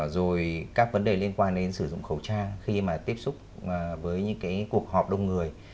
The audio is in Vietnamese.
rồi các vấn đề liên quan đến sử dụng khẩu trang khi mà tiếp xúc với những cái cuộc họp đông người